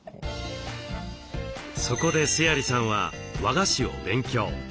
そこで須鑓さんは和菓子を勉強。